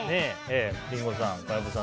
リンゴさん、小籔さん